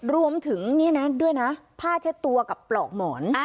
รวมถึงนี่นะด้วยนะผ้าเช็ดตัวกับปลอกหมอน